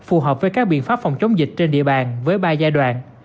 ubnd tp hcm văn bản khẩn về việc phát phòng chống dịch trên địa bàn với ba giai đoạn